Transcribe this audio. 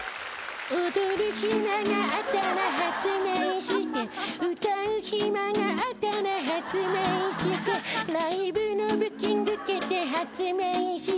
「踊る暇があったら発明してえ」「歌う暇があったら発明してえ」「ライブのブッキング蹴って発明してえ」